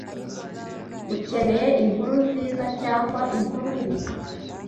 Ukeneye inkuru nziza cyangwa inkuru mbi?